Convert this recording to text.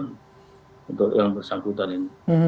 untuk yang bersangkutan ini